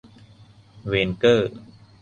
เวนเกอร์